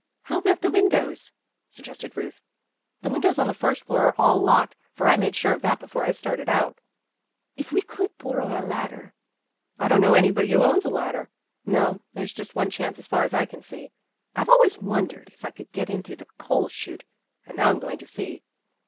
'' "How about the windows," suggested Ruth. "The windows on the first floor are all locked, for I made sure of that before I started out." "If we could borrow a ladder " "I don't know anybody who owns a ladder. No, there's just one chance as far as I can see. I've always wondered if I could get in through the coal shute and now I'm going to see."